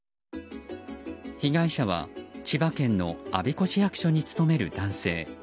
被害者は千葉県の我孫子市役所に勤める男性。